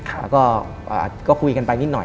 แล้วก็คุยกันไปนิดหน่อย